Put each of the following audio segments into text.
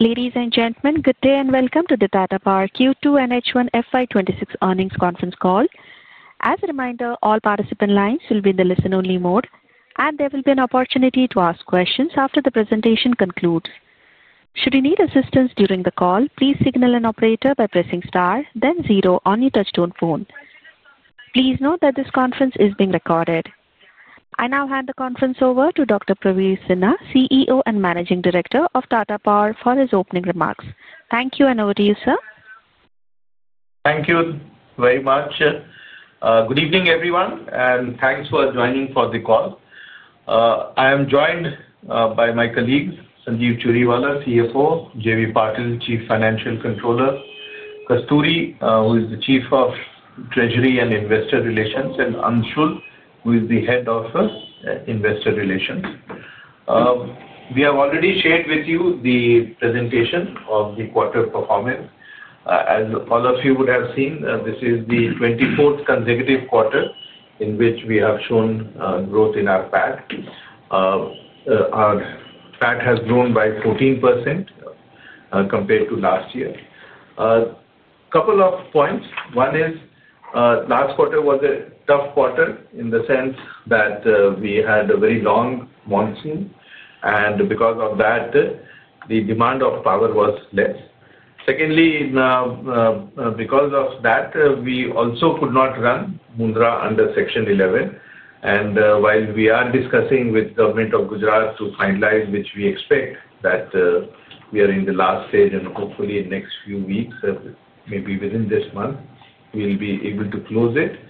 Ladies and gentlemen, good day and welcome to the Tata Power Q2 NH1 FY 2026 Earnings Conference Call. As a reminder, all participant lines will be in the listen-only mode, and there will be an opportunity to ask questions after the presentation concludes. Should you need assistance during the call, please signal an operator by pressing star, then zero on your touchstone phone. Please note that this conference is being recorded. I now hand the conference over to Dr. Praveer Sinha, CEO and Managing Director of Tata Power, for his opening remarks. Thank you and over to you, sir. Thank you very much. Good evening, everyone, and thanks for joining for the call. I am joined by my colleagues, Sanjeev Churiwala, CFO; JV Patel, Chief Financial Controller; Kasturi, who is the Chief of Treasury and Investor Relations; and Anshul, who is the Head of Investor Relations. We have already shared with you the presentation of the quarter performance. As all of you would have seen, this is the 24th consecutive quarter in which we have shown growth in our PAT. Our PAT has grown by 14% compared to last year. A couple of points. One is, last quarter was a tough quarter in the sense that we had a very long monsoon, and because of that, the demand of power was less. Secondly, because of that, we also could not run Mundra under Section 11. While we are discussing with the Government of Gujarat to finalize, which we expect that we are in the last stage, and hopefully in the next few weeks, maybe within this month, we will be able to close it.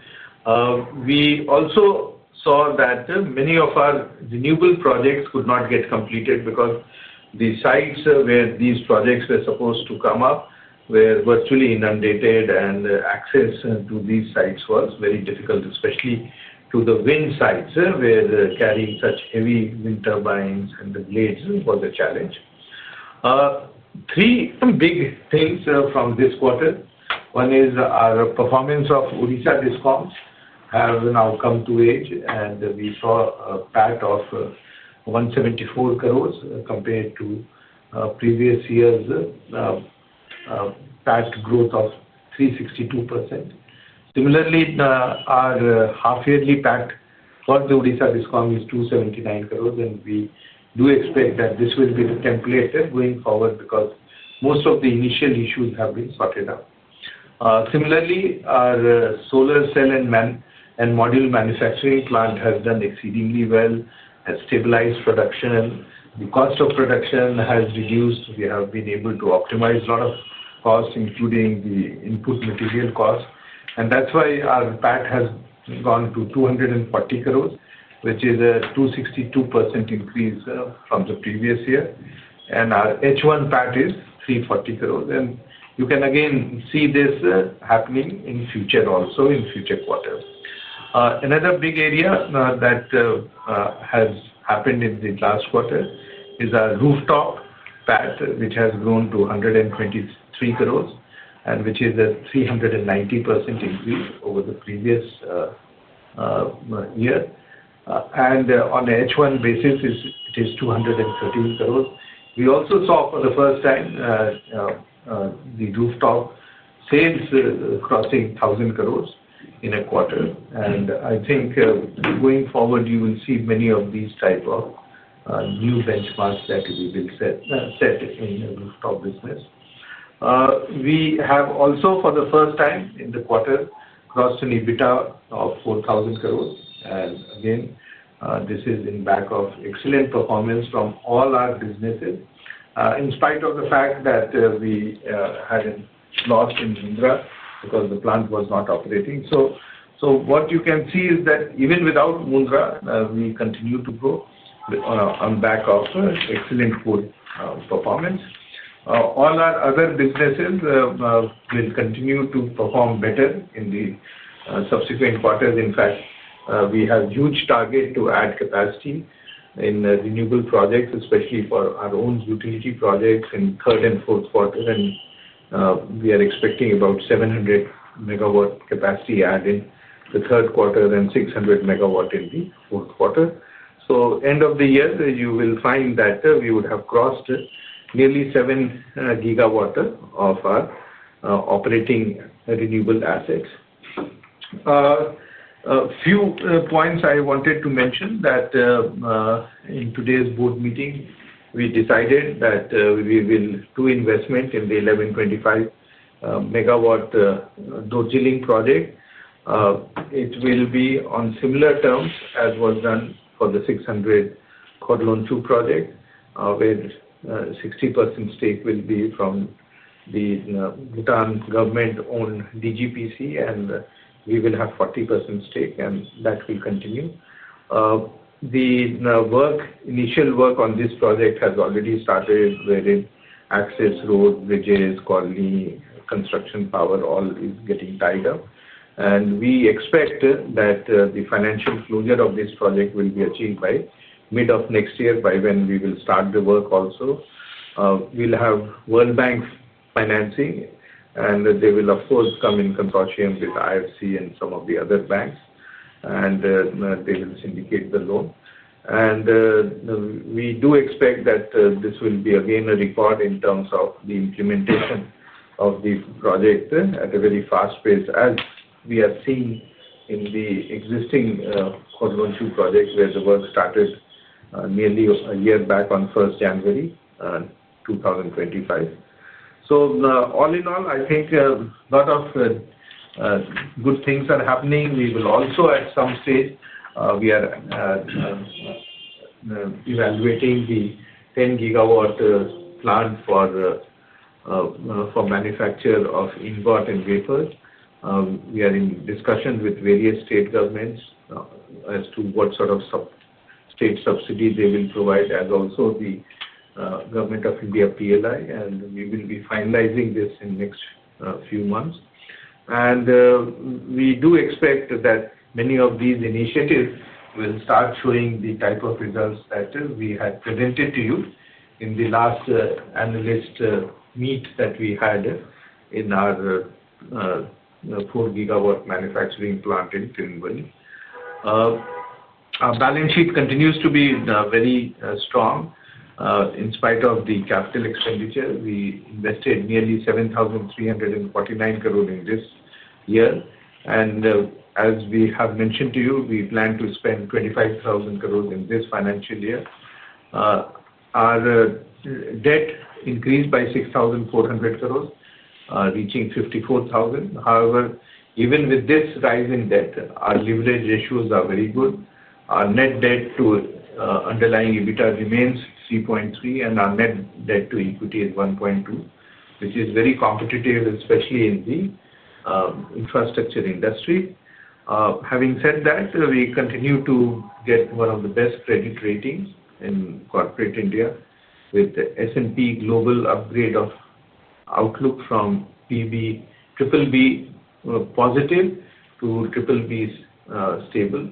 We also saw that many of our renewable projects could not get completed because the sites where these projects were supposed to come up were virtually inundated, and access to these sites was very difficult, especially to the wind sites where carrying such heavy wind turbines and blades was a challenge. Three big things from this quarter. One is our performance of Odisha Discom has now come to age, and we saw a PAT of 174 crore compared to previous years, PAT growth of 362%. Similarly, our half-yearly PAT for the Odisha Discom is 279 crore, and we do expect that this will be the template going forward because most of the initial issues have been sorted out. Similarly, our solar cell and module manufacturing plant has done exceedingly well, has stabilized production, and the cost of production has reduced. We have been able to optimize a lot of costs, including the input material cost. That is why our PAT has gone to 240 crore, which is a 262% increase from the previous year. Our H1 PAT is 340 crore. You can again see this happening in future, also in future quarters. Another big area that has happened in the last quarter is our rooftop PAT, which has grown to 123 crore, and which is a 390% increase over the previous year. On an H1 basis, it is 213 crore. We also saw for the first time the rooftop sales crossing 1,000 crore in a quarter. I think going forward, you will see many of these types of new benchmarks that we will set in the rooftop business. We have also, for the first time in the quarter, crossed an EBITDA of 4,000 crore. This is in back of excellent performance from all our businesses, in spite of the fact that we had a loss in Mundra because the plant was not operating. What you can see is that even without Mundra, we continue to grow on the back of excellent performance. All our other businesses will continue to perform better in the subsequent quarters. In fact, we have a huge target to add capacity in renewable projects, especially for our own utility projects in the third and fourth quarter. We are expecting about 700 MW capacity add in the third quarter and 600 MW in the fourth quarter. End of the year, you will find that we would have crossed nearly 7 GW of our operating renewable assets. A few points I wanted to mention are that in today's board meeting, we decided that we will do investment in the 1,125 MW DOJILING project. It will be on similar terms as was done for the 600 MW KODLON2 project, where 60% stake will be from the Bhutan government-owned DGPC, and we will have 40% stake, and that will continue. The initial work on this project has already started, wherein access roads, bridges, quality construction, power, all is getting tied up. We expect that the financial closure of this project will be achieved by mid of next year, by when we will start the work also. We'll have World Bank financing, and they will, of course, come in consortium with IFC and some of the other banks, and they will syndicate the loan. We do expect that this will be again a record in terms of the implementation of the project at a very fast pace, as we have seen in the existing KODLON2 project, where the work started nearly a year back on 1st January 2025. All in all, I think a lot of good things are happening. We will also, at some stage, we are evaluating the 10 GW plant for manufacture of ingot and wafer. We are in discussion with various state governments as to what sort of state subsidy they will provide, as also the Government of India PLI, and we will be finalizing this in the next few months. We do expect that many of these initiatives will start showing the type of results that we had presented to you in the last analyst meet that we had in our 4 GW manufacturing plant in Tirunelveli. Our balance sheet continues to be very strong. In spite of the capital expenditure, we invested nearly 7,349 crore in this year. As we have mentioned to you, we plan to spend 25,000 crore in this financial year. Our debt increased by 6,400 crore, reaching 54,000 crore. However, even with this rise in debt, our leverage ratios are very good. Our net debt to underlying EBITDA remains 3.3, and our net debt to equity is 1.2, which is very competitive, especially in the infrastructure industry. Having said that, we continue to get one of the best credit ratings in corporate India, with the S&P Global upgrade of outlook from BBB positive to BBB stable.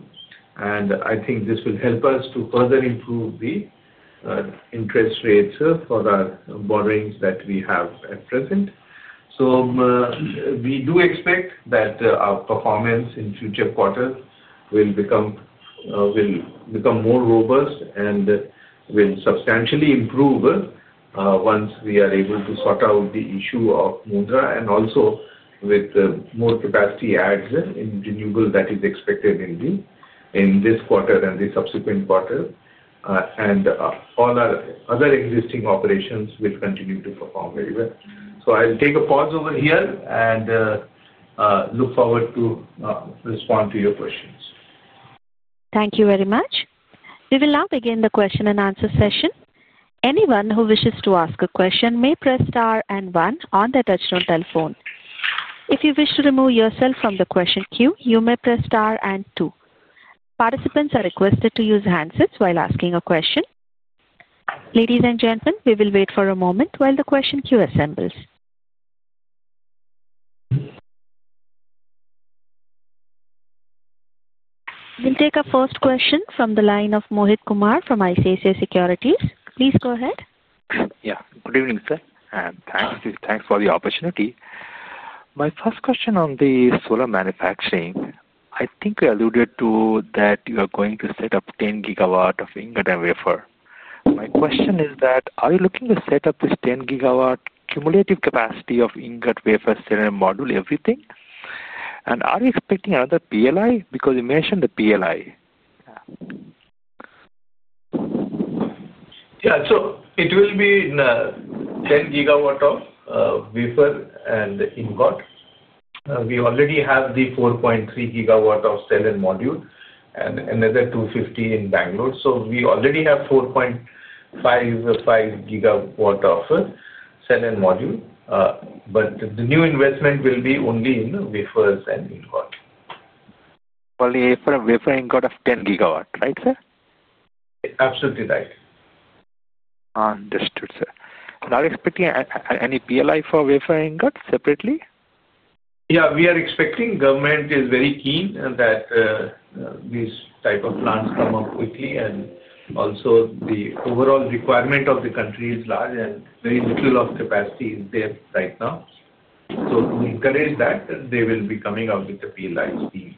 I think this will help us to further improve the interest rates for our borrowings that we have at present. We do expect that our performance in future quarters will become more robust and will substantially improve once we are able to sort out the issue of Mundra and also with more capacity adds in renewable that is expected in this quarter and the subsequent quarter. All our other existing operations will continue to perform very well. I will take a pause over here and look forward to respond to your questions. Thank you very much. We will now begin the question and answer session. Anyone who wishes to ask a question may press star and one on their touchstone telephone. If you wish to remove yourself from the question queue, you may press star and two. Participants are requested to use handsets while asking a question. Ladies and gentlemen, we will wait for a moment while the question queue assembles. We'll take our first question from the line of Mohit Kumar from ICICI Securities. Please go ahead. Yeah. Good evening, sir. Thanks for the opportunity. My first question on the solar manufacturing, I think we alluded to that you are going to set up 10 GW of ingot and wafer. My question is that, are you looking to set up this 10 GW cumulative capacity of ingot, wafer, cell, module, everything? Are you expecting another PLI? Because you mentioned the PLI. Yeah. So it will be 10 GW of wafer and ingot. We already have the 4.3 GW of solar module and another 250 GW in Bangalore. So we already have 4.5 GW of solar module, but the new investment will be only in wafers and ingot. For the wafer and ingot of 10 GW, right, sir? Absolutely right. Understood, sir. Are you expecting any PLI for wafer and ingot separately? Yeah. We are expecting government is very keen that these types of plants come up quickly. Also, the overall requirement of the country is large, and very little of capacity is there right now. To encourage that, they will be coming out with the PLIs to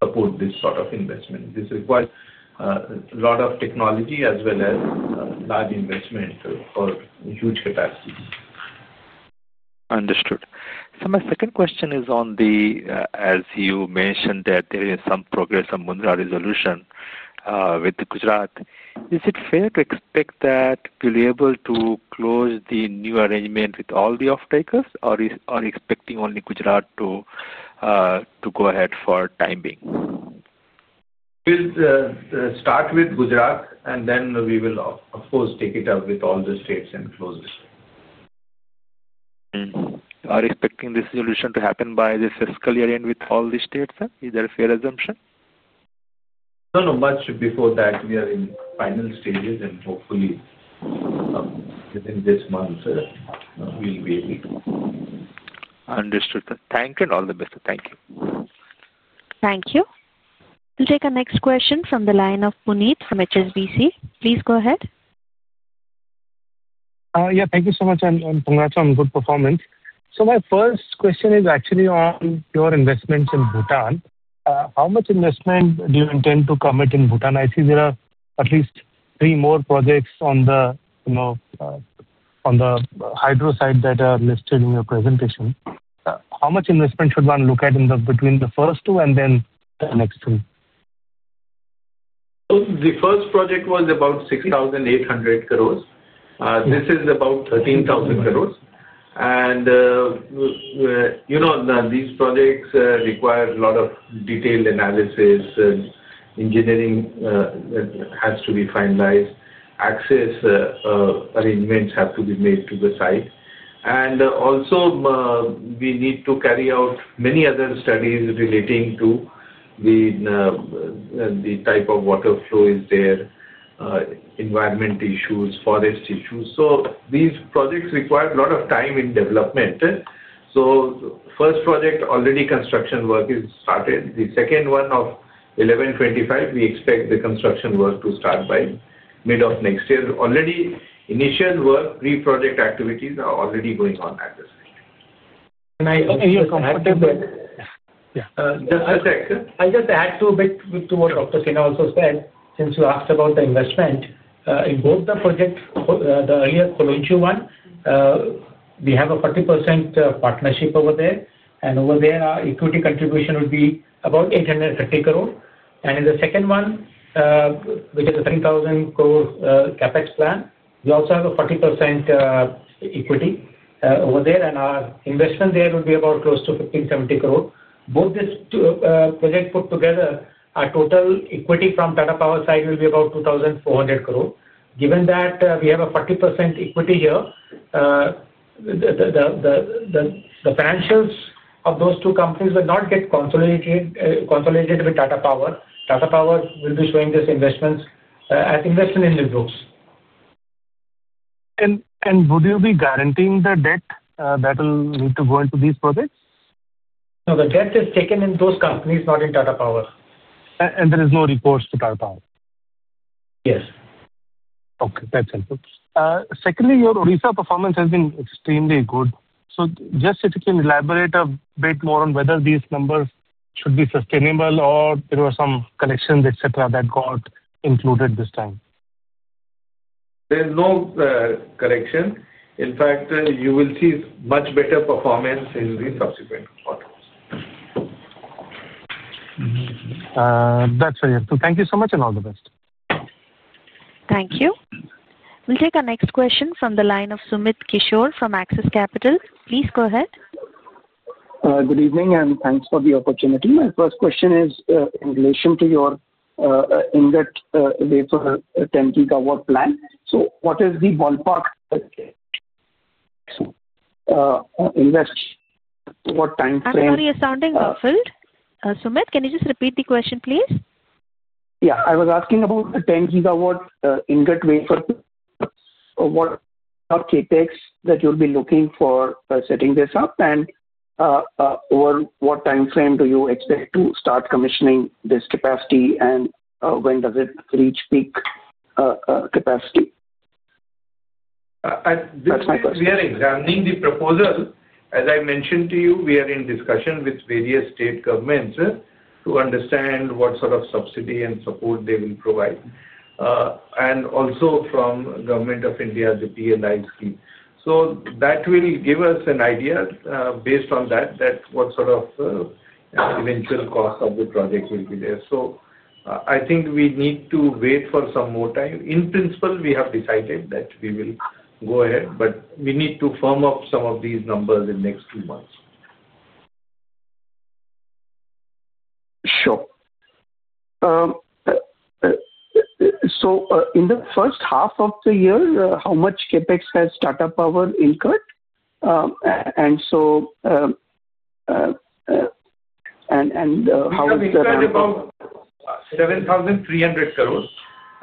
support this sort of investment. This requires a lot of technology as well as large investment for huge capacity. Understood. So my second question is on the, as you mentioned, that there is some progress on Mundra resolution with Gujarat. Is it fair to expect that we'll be able to close the new arrangement with all the off-takers, or are you expecting only Gujarat to go ahead for the time being? We'll start with Gujarat, and then we will, of course, take it up with all the states and close the deal. Are you expecting this resolution to happen by this fiscal year end with all the states, sir? Is that a fair assumption? No, no. Much before that, we are in final stages, and hopefully, within this month, we'll be able to. Understood. Thank you. All the best. Thank you. Thank you. We'll take our next question from the line of Punith from HSBC. Please go ahead. Yeah. Thank you so much, and congrats on good performance. My first question is actually on your investments in Bhutan. How much investment do you intend to commit in Bhutan? I see there are at least three more projects on the hydro side that are listed in your presentation. How much investment should one look at between the first two and then the next three? The first project was about 6,800 crore. This is about 13,000 crore. These projects require a lot of detailed analysis. Engineering has to be finalized. Access arrangements have to be made to the site. We need to carry out many other studies relating to the type of water flow there is, environment issues, forest issues. These projects require a lot of time in development. The first project, already construction work has started. The second one of 1,125, we expect the construction work to start by mid of next year. Already, initial work, pre-project activities are already going on at this stage. Can I interject? Just a sec. I'll just add to a bit to what Dr. Sinha also said. Since you asked about the investment, in both the projects, the earlier KODLON2 one, we have a 40% partnership over there. Over there, our equity contribution would be about 830 crore. In the second one, which is a 3,000 crore CapEx plan, we also have a 40% equity over there. Our investment there would be about close to 1,570 crore. Both these projects put together, our total equity from Tata Power side will be about 2,400 crore. Given that we have a 40% equity here, the financials of those two companies will not get consolidated with Tata Power. Tata Power will be showing these investments as investment in the books. Would you be guaranteeing the debt that will need to go into these projects? No, the debt is taken in those companies, not in Tata Power. Are there no reports to Tata Power? Yes. Okay. That's helpful. Secondly, your recent performance has been extremely good. Just if you can elaborate a bit more on whether these numbers should be sustainable or there were some corrections, et cetera, that got included this time. There's no correction. In fact, you will see much better performance in the subsequent quarters. That's very helpful. Thank you so much and all the best. Thank you. We'll take our next question from the line of Sumit Kishore from Axis Capital. Please go ahead. Good evening, and thanks for the opportunity. My first question is in relation to your ingot wafer 10 GW plan. What is the ballpark investment? What time frame? I'm sorry, you're sounding muffled. Sumit, can you just repeat the question, please? Yeah. I was asking about the 10 GW ingot wafer or what are the CapEx that you'll be looking for setting this up? And over what time frame do you expect to start commissioning this capacity, and when does it reach peak capacity? We are examining the proposal. As I mentioned to you, we are in discussion with various state governments to understand what sort of subsidy and support they will provide, and also from Government of India, the PLI scheme. That will give us an idea based on that, what sort of eventual cost of the project will be there. I think we need to wait for some more time. In principle, we have decided that we will go ahead, but we need to firm up some of these numbers in the next few months. Sure. In the first half of the year, how much CapEx has Tata Power incurred? How is the? It's around 7,300 crores,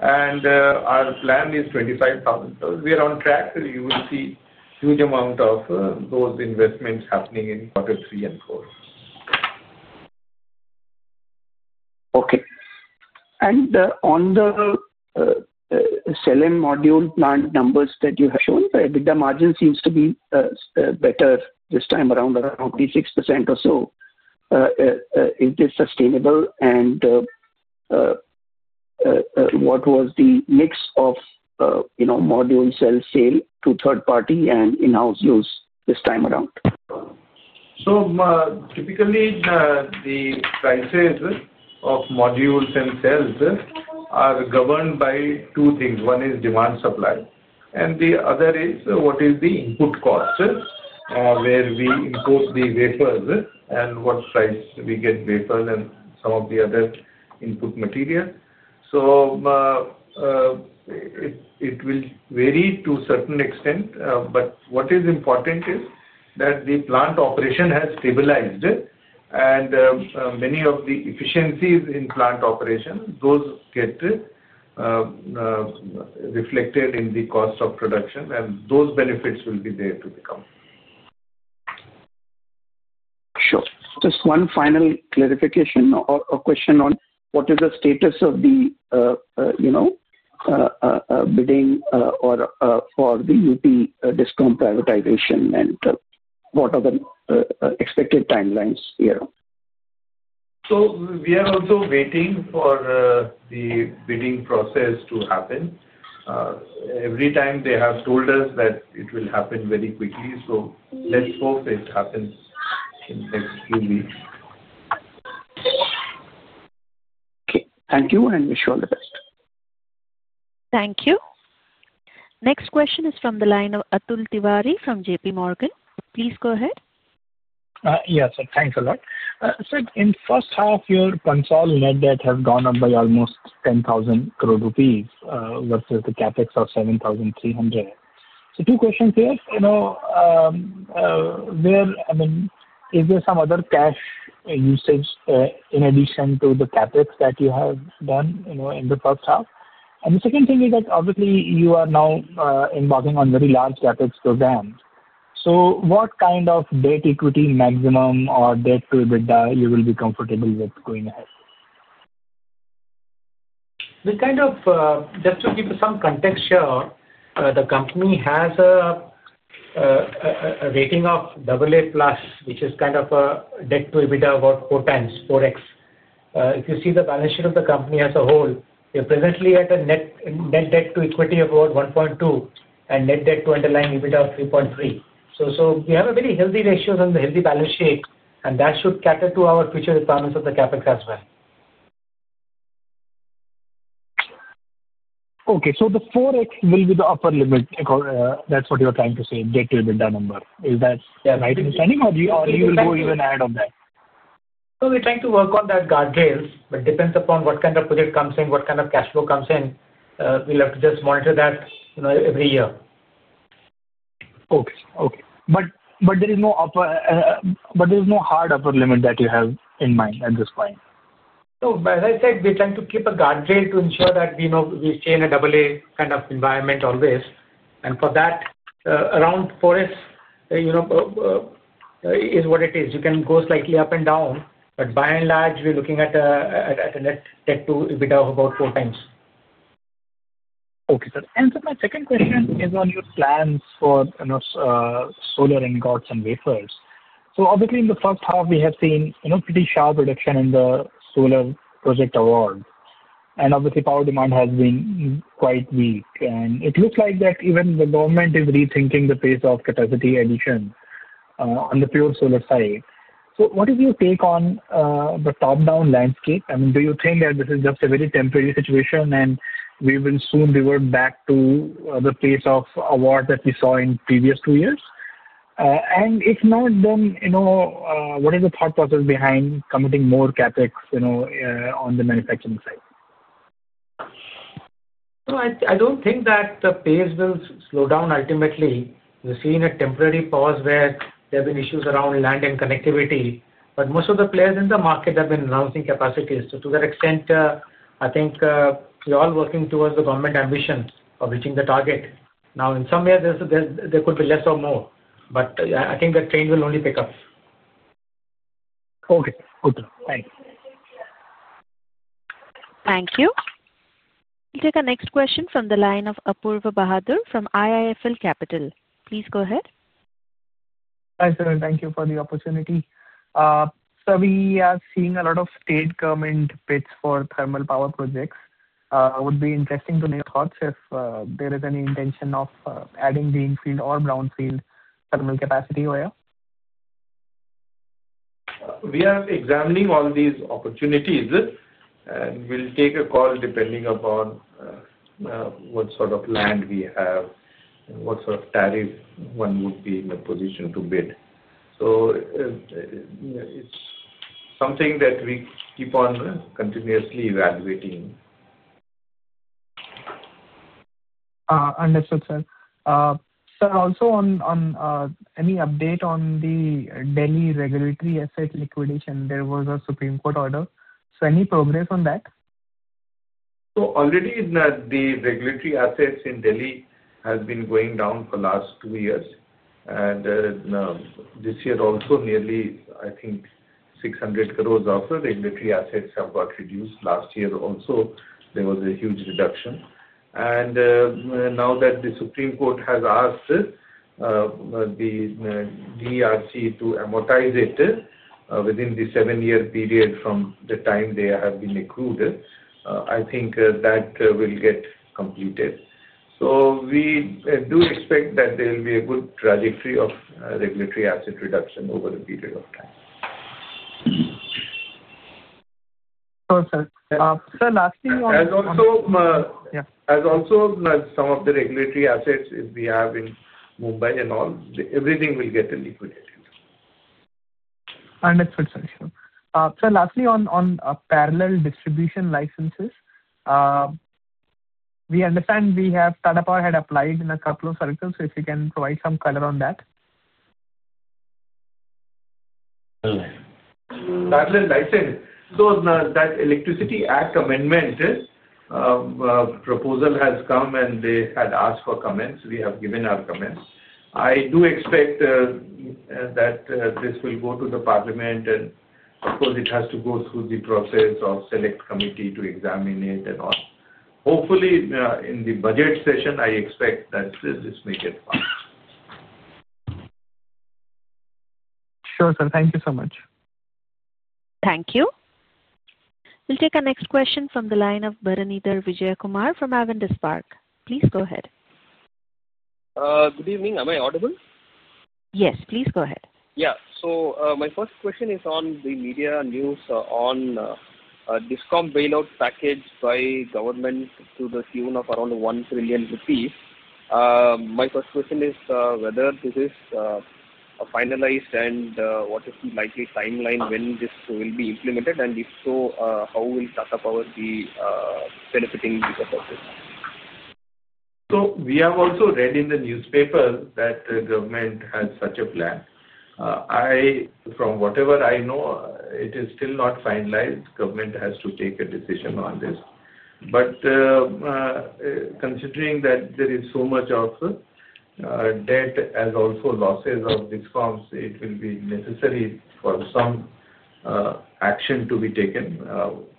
and our plan is 25,000 crores. We are on track. You will see a huge amount of those investments happening in quarter three and four. Okay. On the cellular module plant numbers that you have shown, the margin seems to be better this time, around 46% or so. Is this sustainable? What was the mix of module cell sale to third party and in-house use this time around? Typically, the prices of modules and cells are governed by two things. One is demand-supply, and the other is what is the input cost where we import the wafers and what price we get wafers and some of the other input material. It will vary to a certain extent. What is important is that the plant operation has stabilized, and many of the efficiencies in plant operation, those get reflected in the cost of production, and those benefits will be there to the company. Sure. Just one final clarification or question: what is the status of the bidding for the Discom privatization, and what are the expected timelines here? We are also waiting for the bidding process to happen. Every time, they have told us that it will happen very quickly. Let's hope it happens in the next few weeks. Okay. Thank you, and wish you all the best. Thank you. Next question is from the line of Atul Tiwari from JPMorgan. Please go ahead. Yes, sir. Thanks a lot. Sir, in the first half, your consolidated net debt has gone up by almost 10,000 crore rupees versus the CapEx of 7,300 crore. Two questions here. I mean, is there some other cash usage in addition to the CapEx that you have done in the first half? The second thing is that, obviously, you are now embarking on a very large CapEx program. What kind of debt equity maximum or debt to EBITDA you will be comfortable with going ahead? Just to give you some contextual, the company has a rating of AA plus, which is kind of a debt to EBITDA about 4x, 4x. If you see the balance sheet of the company as a whole, we are presently at a net debt to equity of about 1.2 and net debt to underlying EBITDA of 3.3. We have a very healthy ratio and a healthy balance sheet, and that should cater to our future requirements of the CapEx as well. Okay. So the 4x will be the upper limit. That's what you're trying to say, debt to EBITDA number. Is that my understanding, or you will go even ahead on that? We're trying to work on that guardrail, but it depends upon what kind of project comes in, what kind of cash flow comes in. We'll have to just monitor that every year. Okay. Okay. There is no hard upper limit that you have in mind at this point? No. As I said, we're trying to keep a guardrail to ensure that we stay in a AA kind of environment always. For that, around 4x is what it is. You can go slightly up and down, but by and large, we're looking at a net debt to EBITDA of about 4x. Okay, sir. My second question is on your plans for solar ingots and wafers. Obviously, in the first half, we have seen a pretty sharp reduction in the solar project award. Obviously, power demand has been quite weak. It looks like even the government is rethinking the pace of capacity addition on the pure solar side. What is your take on the top-down landscape? I mean, do you think that this is just a very temporary situation, and we will soon revert back to the pace of award that we saw in the previous two years? If not, then what is the thought process behind committing more CapEx on the manufacturing side? No, I do not think that the pace will slow down ultimately. We have seen a temporary pause where there have been issues around land and connectivity. Most of the players in the market have been announcing capacities. To that extent, I think we are all working towards the government ambition of reaching the target. In some ways, there could be less or more, but I think the train will only pick up. Okay. Okay. Thanks. Thank you. We'll take our next question from the line of Apoorva Bahadur from IIFL Capital. Please go ahead. Hi, sir. Thank you for the opportunity. We are seeing a lot of state government bids for thermal power projects. It would be interesting to know your thoughts if there is any intention of adding greenfield or brownfield thermal capacity over here. We are examining all these opportunities, and we'll take a call depending upon what sort of land we have and what sort of tariff one would be in a position to bid. It is something that we keep on continuously evaluating. Understood, sir. Sir, also on any update on the Delhi regulatory asset liquidation, there was a Supreme Court order. Any progress on that? Already, the regulatory assets in Delhi have been going down for the last two years. This year also, nearly 600 crore of regulatory assets have got reduced. Last year also, there was a huge reduction. Now that the Supreme Court has asked the DRC to amortize it within the seven-year period from the time they have been accrued, I think that will get completed. We do expect that there will be a good trajectory of regulatory asset reduction over a period of time. Sure, sir. Sir, lastly on. As also some of the regulatory assets we have in Mumbai and all, everything will get liquidated. Understood, sir. Sir, lastly, on parallel distribution licenses, we understand Tata Power had applied in a couple of circles, so if you can provide some color on that. Parallel license. That Electricity Act amendment proposal has come, and they had asked for comments. We have given our comments. I do expect that this will go to the Parliament, and of course, it has to go through the process of select committee to examine it and all. Hopefully, in the budget session, I expect that this will get passed. Sure, sir. Thank you so much. Thank you. We'll take our next question from the line of Bharanidhar Vijayakumar from Avendus SPark. Please go ahead. Good evening. Am I audible? Yes. Please go ahead. Yeah. So my first question is on the media news on a Discom bailout package by government to the tune of around 1 trillion rupees. My first question is whether this is finalized and what is the likely timeline when this will be implemented, and if so, how will Tata Power be benefiting because of this? We have also read in the newspaper that the government has such a plan. From whatever I know, it is still not finalized. The government has to take a decision on this. Considering that there is so much debt as also losses of Discoms, it will be necessary for some action to be taken.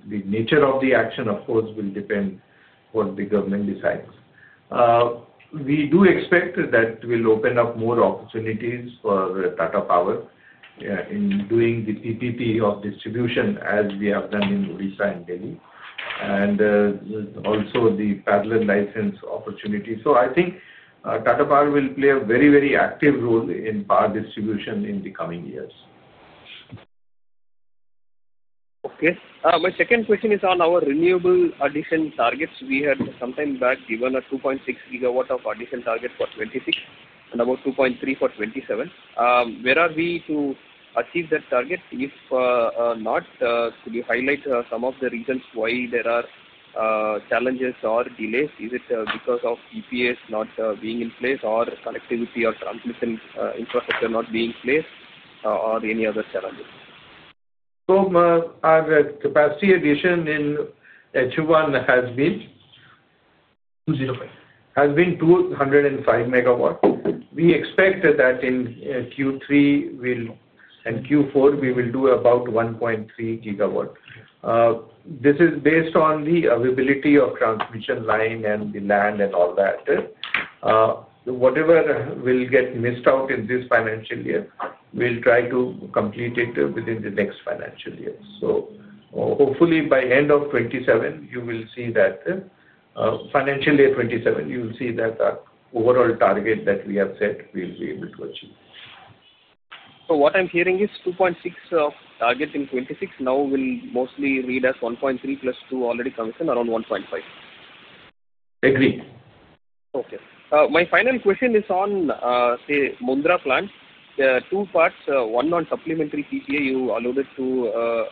The nature of the action, of course, will depend on what the government decides. We do expect that it will open up more opportunities for Tata Power in doing the PPP of distribution as we have done in Odisha and Delhi, and also the parallel license opportunity. I think Tata Power will play a very, very active role in power distribution in the coming years. Okay. My second question is on our renewable addition targets. We had some time back given a 2.6 GW addition target for 2026 and about 2.3 for 2027. Where are we to achieve that target? If not, could you highlight some of the reasons why there are challenges or delays? Is it because of EPAs not being in place or connectivity or transmission infrastructure not being in place or any other challenges? Our capacity addition in Q1 has been 205 MW. We expect that in Q3 and Q4, we will do about 1.3 GW. This is based on the availability of transmission line and the land and all that. Whatever will get missed out in this financial year, we'll try to complete it within the next financial year. Hopefully, by end of 2027, you will see that financial year 2027, you will see that our overall target that we have set will be able to achieve. What I'm hearing is 2.6 target in 2026. Now will mostly read as 1.3 plus 2 already commissioned, around 1.5. Agreed. Okay. My final question is on, say, Mundra plant. There are two parts. One on supplementary PPA. You alluded to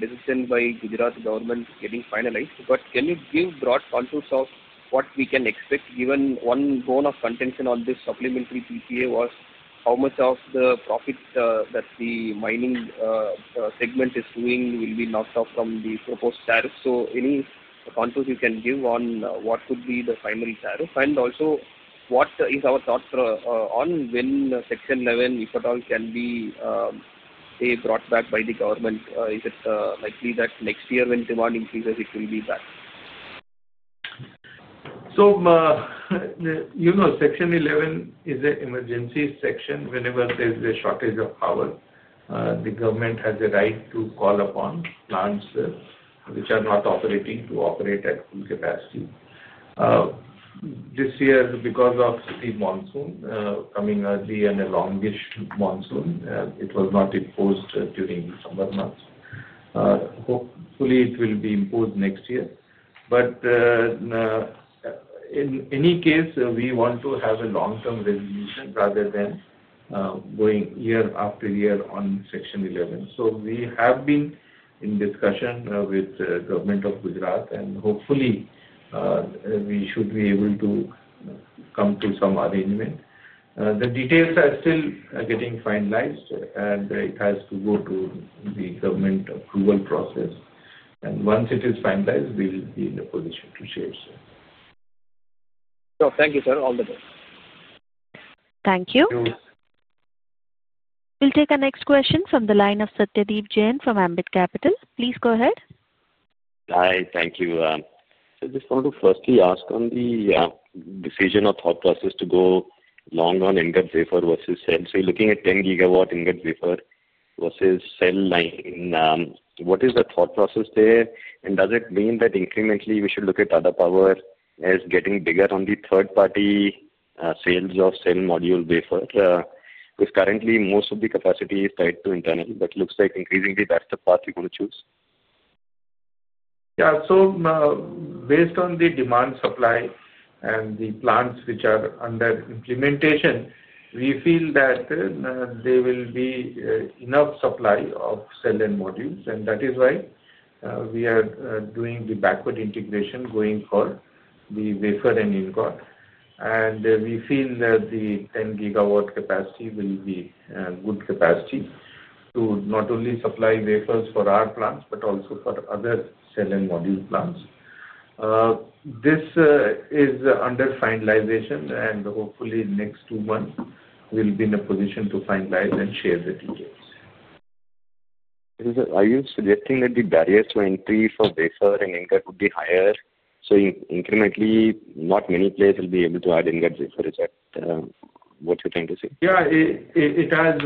decision by Gujarat government getting finalized. Can you give broad contours of what we can expect given one zone of contention on this supplementary PPA was how much of the profit that the mining segment is doing will be knocked off from the proposed tariff? Any contours you can give on what could be the primary tariff? Also, what is our thought on when Section 11, if at all, can be brought back by the government? Is it likely that next year when demand increases, it will be back? Section 11 is an emergency section. Whenever there is a shortage of power, the government has a right to call upon plants which are not operating to operate at full capacity. This year, because of the monsoon coming early and a longish monsoon, it was not imposed during the summer months. Hopefully, it will be imposed next year. In any case, we want to have a long-term resolution rather than going year after year on Section 11. We have been in discussion with the government of Gujarat, and hopefully, we should be able to come to some arrangement. The details are still getting finalized, and it has to go through the government approval process. Once it is finalized, we'll be in a position to share it. Sure. Thank you, sir. All the best. Thank you. We'll take our next question from the line of Satyadeep Jain from Ambit Capital. Please go ahead. Hi. Thank you. I just want to firstly ask on the decision or thought process to go long on ingot wafer versus cell. So looking at 10 GW ingot wafer versus cell line, what is the thought process there? Does it mean that incrementally we should look at Tata Power as getting bigger on the third-party sales of cell module wafer, because currently, most of the capacity is tied to internal? It looks like increasingly that's the path we're going to choose. Yeah. Based on the demand supply and the plants which are under implementation, we feel that there will be enough supply of cell and modules. That is why we are doing the backward integration going for the wafer and ingot. We feel that the 10 GW capacity will be good capacity to not only supply wafers for our plants but also for other cell and module plants. This is under finalization, and hopefully, in the next two months, we will be in a position to finalize and share the details. Are you suggesting that the barriers to entry for wafer and ingot would be higher? So incrementally, not many players will be able to add ingot wafer. Is that what you're trying to say? Yeah. It has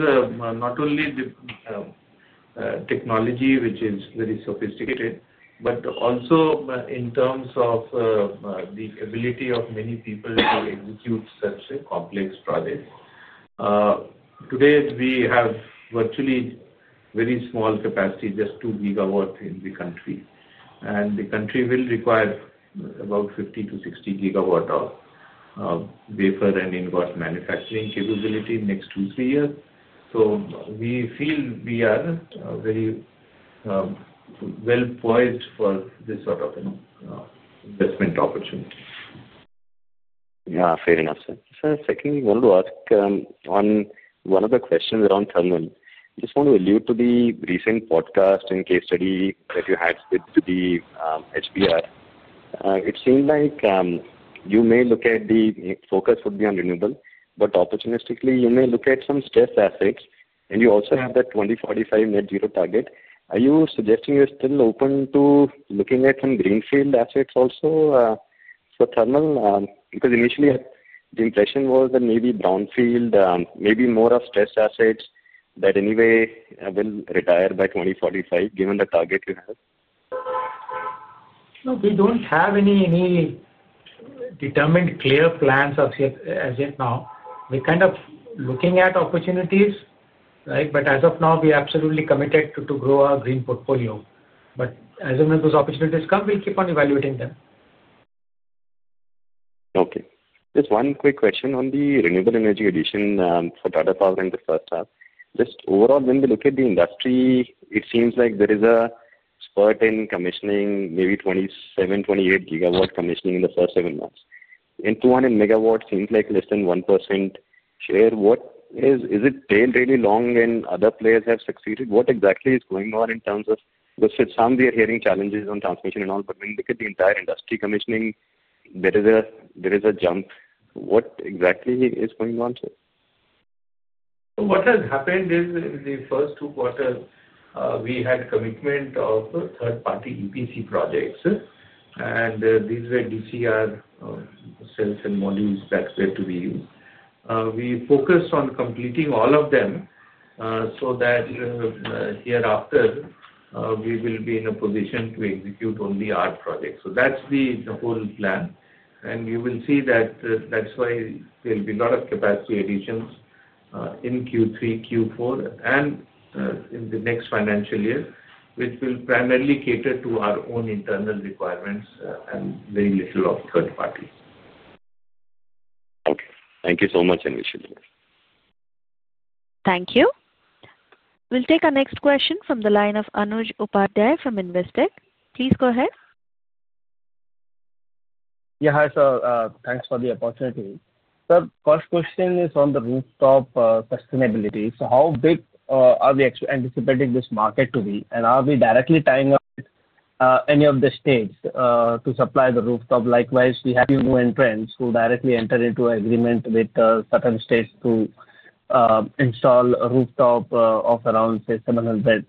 not only the technology, which is very sophisticated, but also in terms of the ability of many people to execute such complex projects. Today, we have virtually very small capacity, just 2 GW in the country. The country will require about 50 GW-60 GW of wafer and ingot manufacturing capability in the next two, three years. We feel we are very well poised for this sort of investment opportunity. Yeah. Fair enough, sir. Sir, secondly, I wanted to ask on one of the questions around thermal. I just want to allude to the recent podcast and case study that you had with the HBR. It seemed like you may look at the focus would be on renewable, but opportunistically, you may look at some stress assets, and you also have that 2045 net zero target. Are you suggesting you're still open to looking at some greenfield assets also for thermal? Because initially, the impression was that maybe brownfield, maybe more of stress assets that anyway will retire by 2045, given the target you have. No, we don't have any determined clear plans as yet now. We're kind of looking at opportunities, right? As of now, we are absolutely committed to grow our green portfolio. As soon as those opportunities come, we'll keep on evaluating them. Okay. Just one quick question on the renewable energy addition for Tata Power and the first half. Just overall, when we look at the industry, it seems like there is a spurt in commissioning, maybe 27 GW-28 GW commissioning in the first seven months. And 200 MW seems like less than 1% share. Is it tailed really long, and other players have succeeded? What exactly is going on in terms of, because some we are hearing challenges on transmission and all, but when we look at the entire industry commissioning, there is a jump. What exactly is going on, sir? What has happened is in the first two quarters, we had commitment of third-party EPC projects, and these were DCR cells and modules that were to be used. We focused on completing all of them so that hereafter, we will be in a position to execute only our projects. That is the whole plan. You will see that is why there will be a lot of capacity additions in Q3, Q4, and in the next financial year, which will primarily cater to our own internal requirements and very little of third parties. Okay. Thank you so much, Anshul. Thank you. We'll take our next question from the line of Anuj Upadhyay from Investec. Please go ahead. Yeah. Hi, sir. Thanks for the opportunity. Sir, first question is on the rooftop sustainability. How big are we actually anticipating this market to be? Are we directly tying up any of the states to supply the rooftop? Likewise, we have new entrants who directly enter into agreement with certain states to install a rooftop of around, say, 700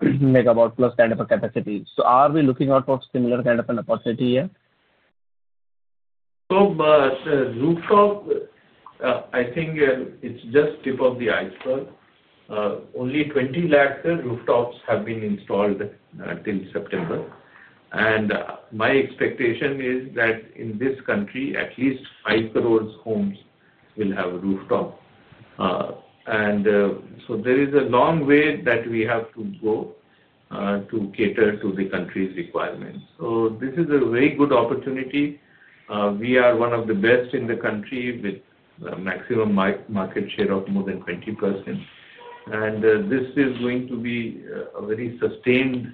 MW plus kind of a capacity. Are we looking out for similar kind of an opportunity here? Rooftop, I think it's just tip of the iceberg. Only 2 million rooftops have been installed till September. My expectation is that in this country, at least 50 million homes will have a rooftop. There is a long way that we have to go to cater to the country's requirements. This is a very good opportunity. We are one of the best in the country with a maximum market share of more than 20%. This is going to be a very sustained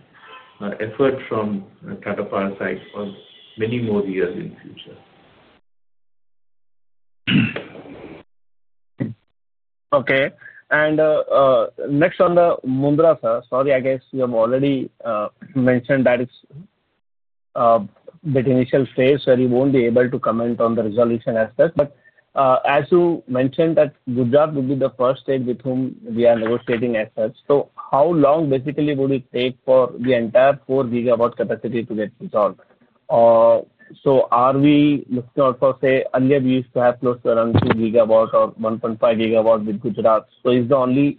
effort from Tata Power side for many more years in the future. Okay. Next, on the Mundra side, sorry, I guess you have already mentioned that it's a bit initial phase where you won't be able to comment on the resolution assets. As you mentioned, Gujarat would be the first state with whom we are negotiating assets. How long basically would it take for the entire 4 GW capacity to get resolved? Are we looking out for, say, Anjay Bhish to have close to around 2 GW or 1.5 GW with Gujarat? Is the only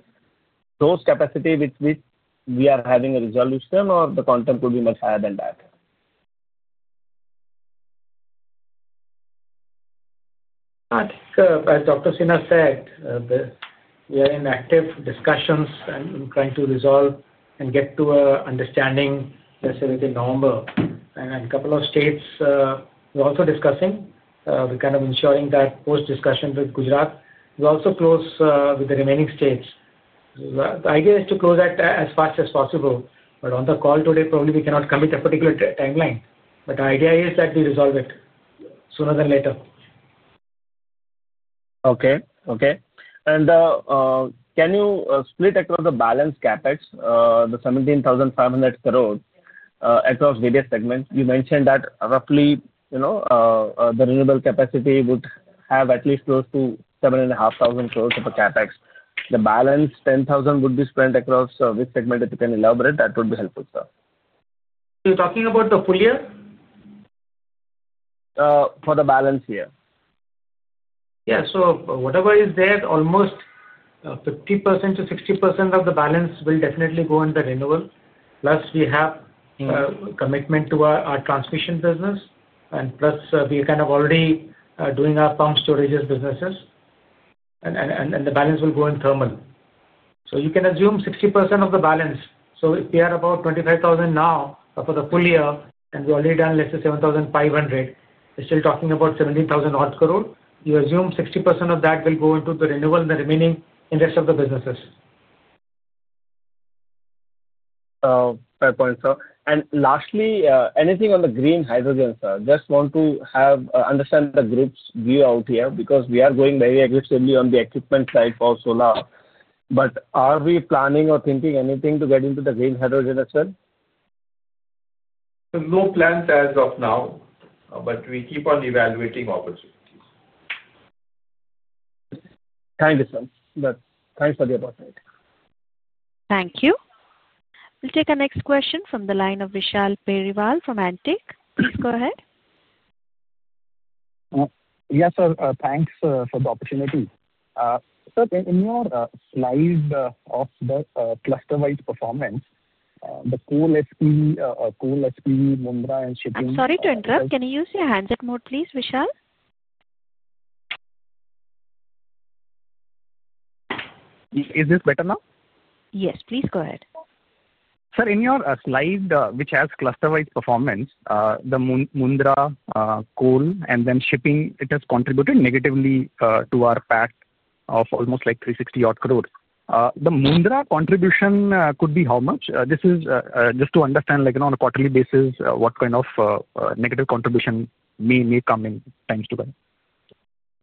source capacity with which we are having a resolution, or the content could be much higher than that? As Dr. Sinha said, we are in active discussions and trying to resolve and get to an understanding within November. A couple of states, we're also discussing. We're kind of ensuring that post-discussion with Gujarat, we're also close with the remaining states. The idea is to close that as fast as possible. On the call today, probably we cannot commit a particular timeline. The idea is that we resolve it sooner than later. Okay. Okay. Can you split across the balance CapEx, the 17,500 crores across various segments? You mentioned that roughly the renewable capacity would have at least close to 7,500 crores of a CapEx. The balance 10,000 would be spent across which segment if you can elaborate? That would be helpful, sir. You're talking about the full year? For the balance year. Yeah. So whatever is there, almost 50%-60% of the balance will definitely go in the renewable. Plus, we have commitment to our transmission business. Plus, we are kind of already doing our pump storages businesses. The balance will go in thermal. You can assume 60% of the balance. If we are about 25,000 crore now for the full year, and we have already done less than 7,500 crore, we are still talking about 17,000 crore odd. You assume 60% of that will go into the renewable and the remaining in the rest of the businesses. Fair point, sir. Lastly, anything on the green hydrogen, sir? Just want to understand the group's view out here because we are going very aggressively on the equipment side for solar. Are we planning or thinking anything to get into the green hydrogen as well? No plans as of now, but we keep on evaluating opportunities. Thank you, sir. Thanks for the opportunity. Thank you. We'll take our next question from the line of Vishal Periwal from Antique. Please go ahead. Yes, sir. Thanks for the opportunity. Sir, in your slide of the cluster-wide performance, the coal SPV, coal SPV, Mundra, and Shipuni. Sorry to interrupt. Can you use your hands-up mode, please, Vishal? Is this better now? Yes. Please go ahead. Sir, in your slide which has cluster-wide performance, the Mundra coal and then Shipun, it has contributed negatively to our PAT of almost like 360 crore. The Mundra contribution could be how much? This is just to understand on a quarterly basis what kind of negative contribution may come in times together.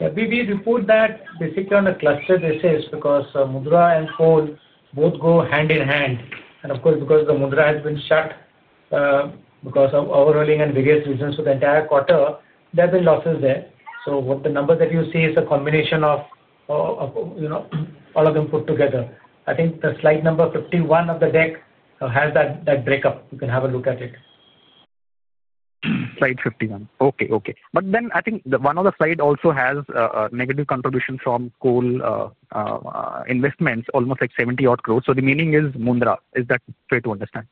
We report that basically on the cluster basis because Mundra and coal both go hand in hand. Of course, because the Mundra has been shut because of overhauling and various reasons for the entire quarter, there have been losses there. What the numbers that you see is a combination of all of them put together. I think the slide number 51 of the deck has that breakup. You can have a look at it. Slide 51. Okay. Okay. But then I think one of the slides also has negative contribution from coal investments, almost like 70 crore. So the meaning is Mundra. Is that fair to understand?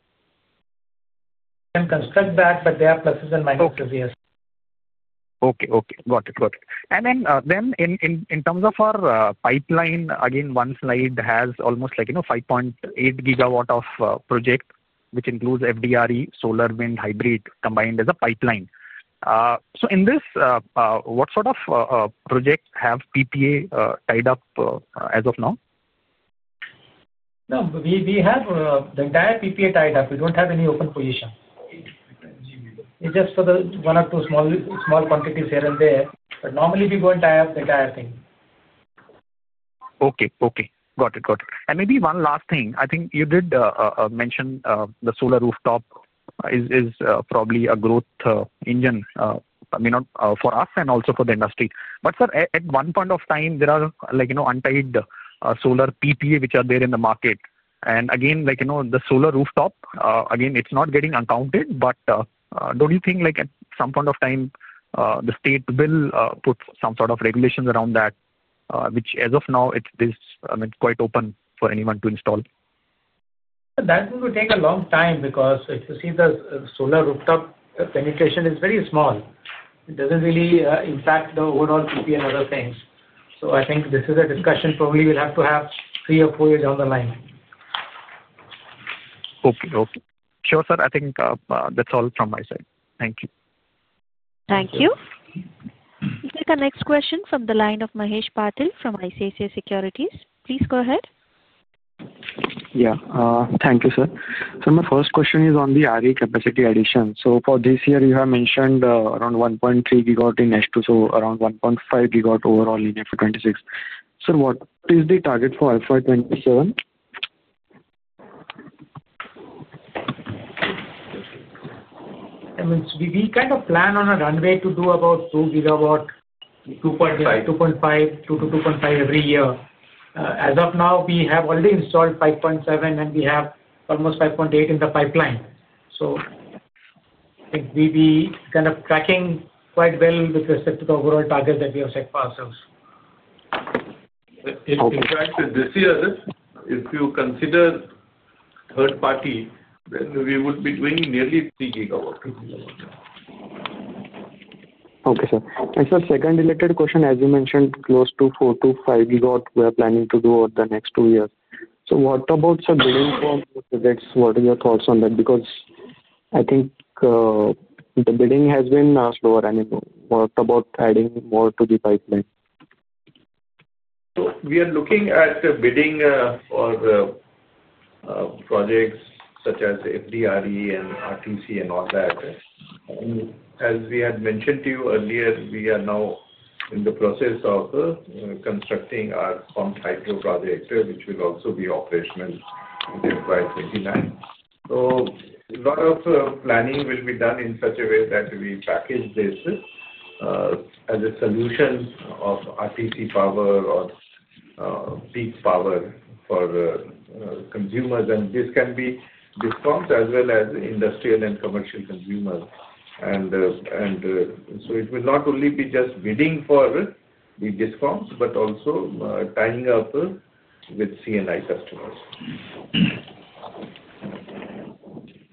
You can construct that, but there are pluses and minuses, yes. Okay. Okay. Got it. Got it. In terms of our pipeline, again, one slide has almost like 5.8 GW of project, which includes FDRE, solar, wind, hybrid combined as a pipeline. In this, what sort of project have PPA tied up as of now? No. We have the entire PPA tied up. We do not have any open position. It is just for the one or two small quantities here and there. Normally, we go and tie up the entire thing. Okay. Okay. Got it. Got it. Maybe one last thing. I think you did mention the solar rooftop is probably a growth engine, I mean, for us and also for the industry. Sir, at one point of time, there are untied solar PPA which are there in the market. Again, the solar rooftop, again, it is not getting accounted. Do not you think at some point of time, the state will put some sort of regulations around that, which as of now, it is quite open for anyone to install? That would take a long time because if you see the solar rooftop penetration is very small. It does not really impact the overall PPA and other things. I think this is a discussion probably we will have to have three or four years down the line. Okay. Okay. Sure, sir. I think that's all from my side. Thank you. Thank you. We'll take our next question from the line of Mahesh Patil from ICICI Securities. Please go ahead. Yeah. Thank you, sir. Sir, my first question is on the RE capacity addition. For this year, you have mentioned around 1.3 GW in S2, so around 1.5 GW overall in FY 2026. Sir, what is the target for FY 2027? We kind of plan on a runway to do about 2 GW, 2.5 GW, to 2.5 GW every year. As of now, we have already installed 5.7 GW, and we have almost 5.8 GW in the pipeline. I think we'll be kind of tracking quite well with respect to the overall target that we have set for ourselves. In fact, this year, if you consider third party, then we would be doing nearly 3 GW. Okay, sir. Actually, second related question, as you mentioned, close to 4 GW-5 GW we are planning to do over the next two years. What about, sir, bidding for projects? What are your thoughts on that? I think the bidding has been slower. What about adding more to the pipeline? We are looking at bidding for projects such as FDRE and RTC and all that. As we had mentioned to you earlier, we are now in the process of constructing our pumped hydro project, which will also be operational by 2029. A lot of planning will be done in such a way that we package this as a solution of RTC power or peak power for consumers. This can be Discoms as well as industrial and commercial consumers. It will not only be just bidding for the Discoms, but also tying up with CNI customers.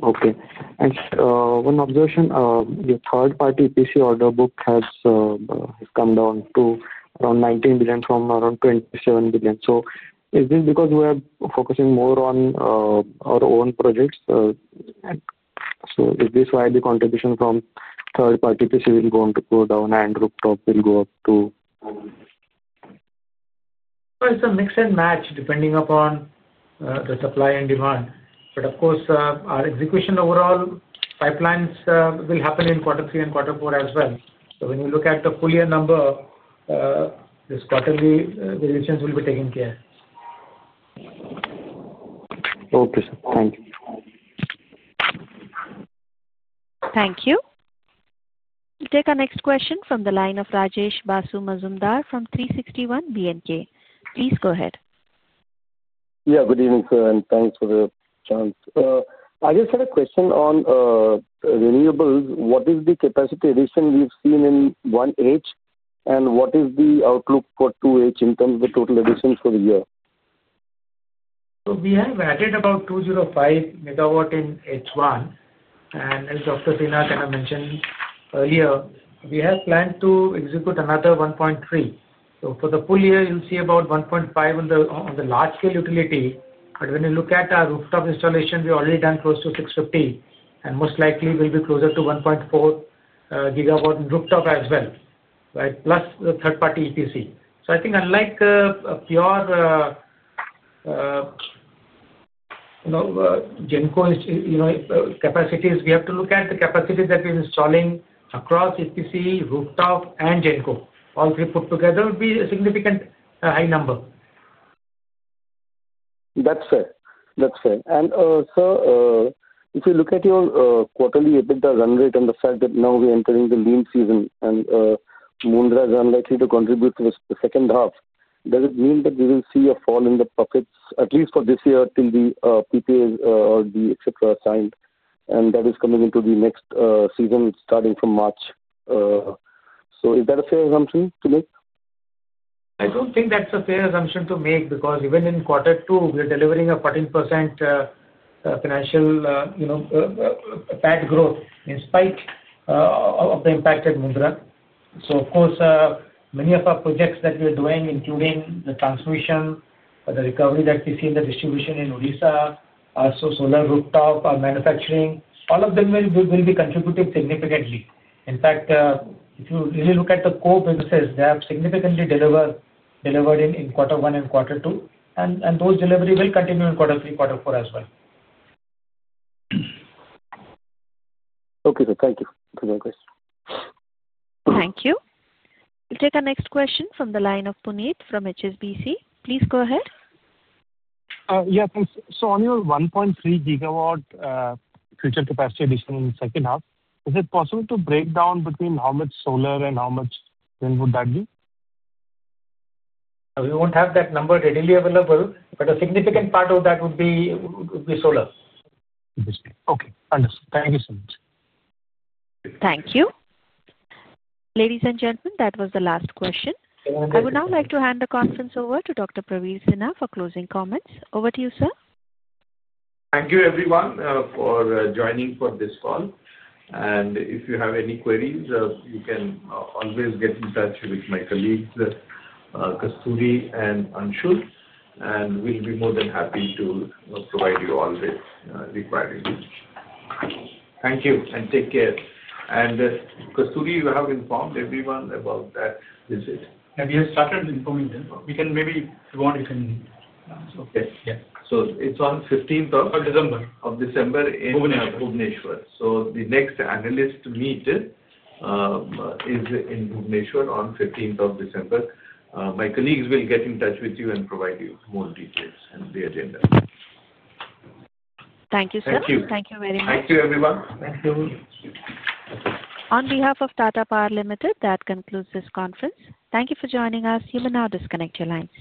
Okay. One observation, the third-party EPC order book has come down to around 19 billion from around 27 billion. Is this because we are focusing more on our own projects? Is this why the contribution from third-party EPC will go down and rooftop will go up too? It's a mix and match depending upon the supply and demand. Of course, our execution overall pipelines will happen in quarter three and quarter four as well. When you look at the full year number, this quarterly variations will be taken care. Okay, sir. Thank you. Thank you. We'll take our next question from the line of Rajesh Majumdar from B&K. Please go ahead. Yeah. Good evening, sir. Thanks for the chance. I just had a question on renewables. What is the capacity addition we've seen in 1H, and what is the outlook for 2H in terms of the total addition for the year? We have added about 205 MW in H1. As Dr. Sinha kind of mentioned earlier, we have planned to execute another 1.3 GW. For the full year, you'll see about 1.5 on the large-scale utility. When you look at our rooftop installation, we've already done close to 650 GW. Most likely, we'll be closer to 1.4 GW in rooftop as well, right, plus the third-party EPC. I think unlike pure Genco capacities, we have to look at the capacity that we're installing across EPC, rooftop, and Genco. All three put together would be a significant high number. That's fair. That's fair. Sir, if you look at your quarterly EBITDA run rate and the fact that now we're entering the lean season and Mundra is unlikely to contribute to the second half, does it mean that we will see a fall in the profits, at least for this year, till the PPAs or the et cetera are signed? That is coming into the next season starting from March. Is that a fair assumption to make? I do not think that is a fair assumption to make because even in quarter two, we are delivering a 14% financial PAT growth in spite of the impact at Mundra. Of course, many of our projects that we are doing, including the transmission, the recovery that we see in the distribution in Odisha, also solar rooftop, our manufacturing, all of them will be contributing significantly. In fact, if you really look at the core businesses, they have significantly delivered in quarter one and quarter two. Those deliveries will continue in quarter three, quarter four as well. Okay, sir. Thank you for the question. Thank you. We'll take our next question from the line of Puneet from HSBC. Please go ahead. Yeah. On your 1.3 GW future capacity addition in the second half, is it possible to break down between how much solar and how much wind would that be? We won't have that number readily available. A significant part of that would be solar. Okay. Understood. Thank you so much. Thank you. Ladies and gentlemen, that was the last question. I would now like to hand the conference over to Dr. Praveer Sinha for closing comments. Over to you, sir. Thank you, everyone, for joining for this call. If you have any queries, you can always get in touch with my colleagues, Kasturi and Anshul. We will be more than happy to provide you all the required information. Thank you and take care. Kasturi, you have informed everyone about that visit. Have you started informing them? We can maybe go on if you can. Okay. Yeah. So it's on 15th of December. Of December in Bhubaneswar. The next analyst meet is in Bhubaneswar on 15th of December. My colleagues will get in touch with you and provide you more details and the agenda. Thank you, sir. Thank you. Thank you very much. Thank you, everyone. Thank you. On behalf of Tata Power, that concludes this conference. Thank you for joining us. You may now disconnect your lines.